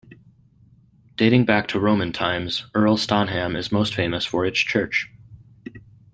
Dating back to Roman times, Earl Stonham is most famous for its church.